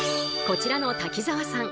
こちらの瀧澤さん